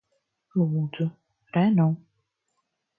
Lūdzu. Re nu.